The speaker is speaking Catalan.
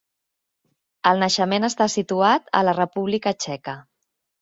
El naixement està situat a la República Txeca.